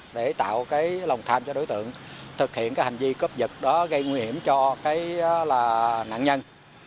để tạo lòng tham cho đối tượng thực hiện hành vi cấp giật đó gây nguy hiểm cho nạn nhân